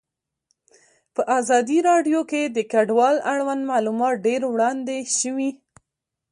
په ازادي راډیو کې د کډوال اړوند معلومات ډېر وړاندې شوي.